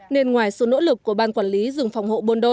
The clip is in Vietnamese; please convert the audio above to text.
nên ngoài sự nỗ lực của ban quản lý rừng phòng hộ buôn đô